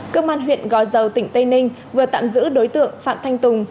cơ quan huyện gò dầu tỉnh tây ninh vừa tạm giữ đối tượng phạm thanh tùng